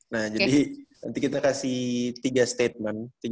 nah jadi nanti kita kasih tiga statement